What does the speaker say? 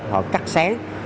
họ cắt sáng